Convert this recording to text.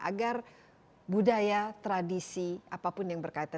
agar budaya tradisi apapun yang berkaitan